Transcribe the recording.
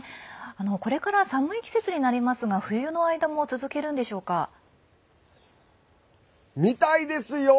これから寒い季節になりますがみたいですよ。